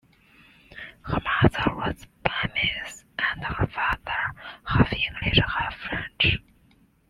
Her mother was Burmese, and her father half-English, half-French.